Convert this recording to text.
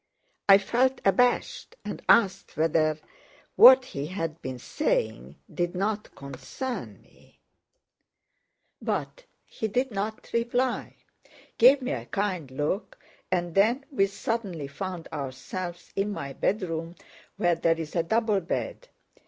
I felt abashed and asked whether what he had been saying did not concern me; but he did not reply, gave me a kind look, and then we suddenly found ourselves in my bedroom where there is a double bed.